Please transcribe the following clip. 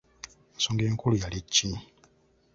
Ensonga enkulu yali ki?